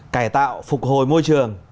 cải tạo phục hồi môi trường